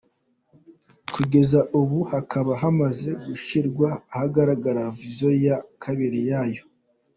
Kugeza ubu hakaba hamaze gushyirwa ahagaragara version ya kabiri yayo.